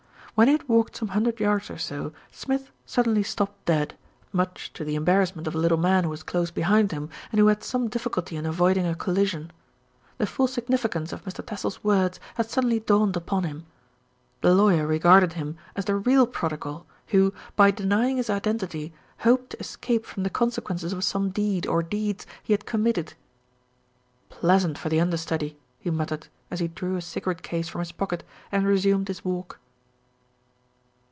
When he had walked some hundred yards or so, Smith suddenly stopped dead, much to the embarrass 160 THE RETURN OF ALFRED ment of a little man who was close behind him, and who had some difficulty in avoiding a collision. The full significance of Mr. Tassell's words had suddenly dawned upon him. The lawyer regarded him as the real prodigal, who, by denying his identity, hoped to escape from the consequences of some deed, or deeds, he had committed. "Pleasant for the understudy," he muttered, as he drew his cigarette case from his pocket and resumed his walk.